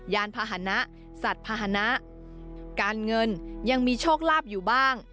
ยานพาหนะสัตว์ภาษณะการเงินยังมีโชคลาภอยู่บ้าง